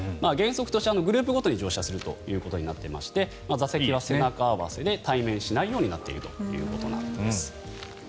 原則としてグループごとに乗車することになっていまして座席は背中合わせで対面しないようになっているということです。